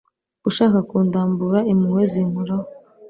ushaka kundambura impuhwe zinkoraho